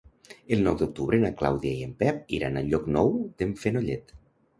El nou d'octubre na Clàudia i en Pep iran a Llocnou d'en Fenollet.